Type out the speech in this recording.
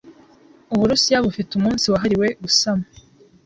Uburusiya bufite umunsi wahariwe gusama